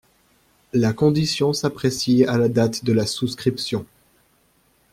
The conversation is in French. La condition s’apprécie à la date de la souscription.